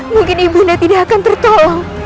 mungkin ibu nda tidak akan tertolong